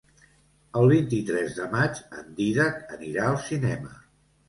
El vint-i-tres de maig en Dídac anirà al cinema.